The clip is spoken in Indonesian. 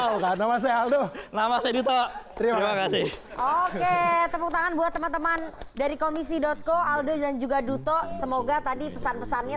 oke tepuk tangan buat teman teman dari komisi co aldo dan juga duto semoga tadi pesan pesannya